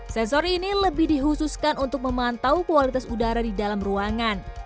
sensor ini lebih dihususkan untuk memantau kualitas udara di dalam ruangan